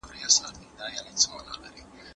که ماشوم ته ډاډ ورکړو، نو هغه به قوي سي.